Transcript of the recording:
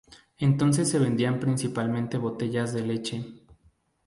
Entonces se vendían principalmente botellas de leche.